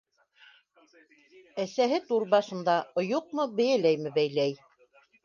Әсәһе түр башында, ойоҡмо, бейәләйме бәйләй.